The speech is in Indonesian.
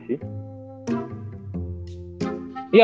gimana yathen westbundit ad